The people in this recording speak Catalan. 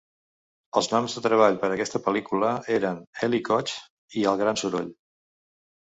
Els noms de treball per aquesta pel·lícula eren "Eli Kotch" i "El Gran Soroll".